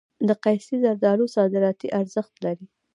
د قیسی زردالو صادراتي ارزښت لري.